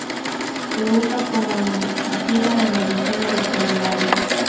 Se usa como insecticida en medicina veterinaria.